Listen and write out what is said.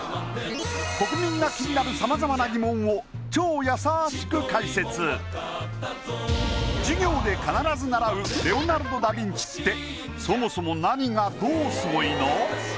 国民が気になる様々な疑問を超やさしく解説レオナルド・ダ・ヴィンチってそもそも何がどうすごいの？